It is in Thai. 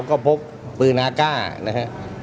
ก็พบปืนอาก้านะฮะ